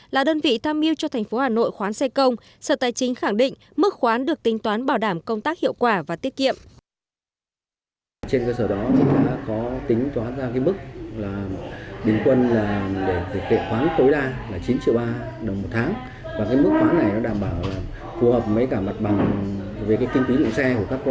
là đơn vị tham mưu cho thành phố hà nội khoán xe công đối với tám cơ quan đơn vị trên địa bàn thành phố hà nội